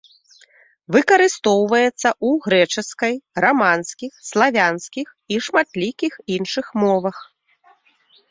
Выкарыстоўваецца ў грэчаскай, раманскіх, славянскіх і шматлікіх іншых мовах.